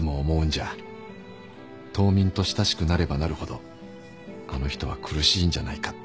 島民と親しくなればなるほどあの人は苦しいんじゃないかって。